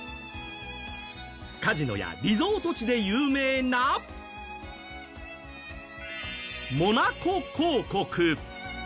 カジノやリゾート地で有名なモナコ公国。